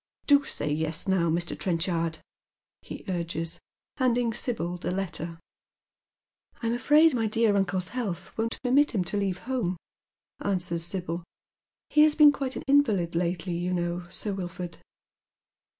Do say yes now, Mr. Trenchard," he urges, handing Sibyl the letter. " I'm afraid my dear uncle's health won't permit him to leave home " answers Sibyl. " He has been quite an invalid lately, you know. Sir Wilford."